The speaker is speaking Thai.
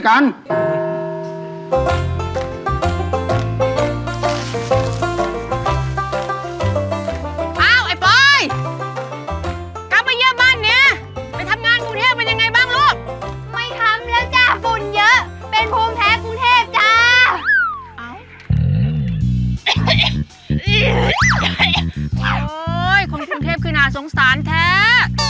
คนกรุงเทพคือน่าสงสารแท้